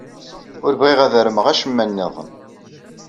Ur bɣiɣ ad armeɣ acemma niḍen.